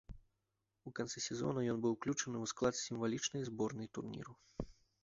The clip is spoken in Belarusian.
У канцы сезона ён быў уключаны ў склад сімвалічнай зборнай турніру.